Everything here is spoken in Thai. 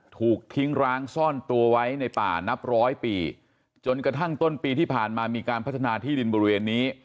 ถูกทิ้งร้างซ่อนตัวไว้ในป่านับร้อยปีจนกระทั่งต้นปีที่ผ่านมามีการพัฒนาที่ดินบริเวณนี้